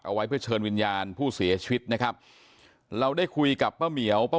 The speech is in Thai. เอาไว้เพื่อเชิญวิญญาณผู้เสียชีวิตนะครับเราได้คุยกับป้าเหมียวป้า